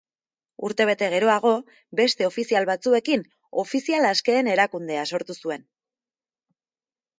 Urtebete geroago, beste ofizial batzuekin Ofizial Askeen erakundea sortu zuen.